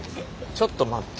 ちょっと待って。